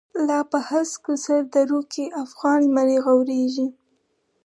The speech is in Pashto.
لا په هسکو سر درو کی، افغانی زمری غوریږی